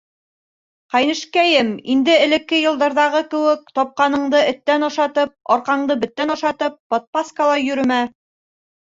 — Ҡәйнешкәйем, инде элекке йылдарҙағы кеүек, тапҡаныңды эттән ашатып, арҡаңды беттән ашатып подпаскала йөрөмә.